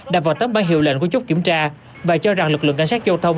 đạp vào tấm bán hiệu lệnh của chốt kiểm tra và cho rằng lực lượng cảnh sát giao thông